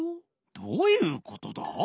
どういうことだ？